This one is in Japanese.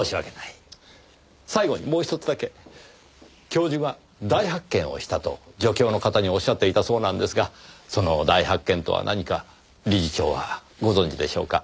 教授は大発見をしたと助教の方におっしゃっていたそうなんですがその大発見とは何か理事長はご存じでしょうか？